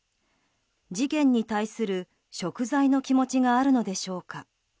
事件に対する贖罪の気持ちがあるのでしょうか。